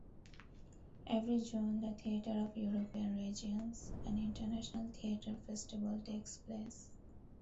Every June the Theatre of European regions, an international theatre festival, takes place.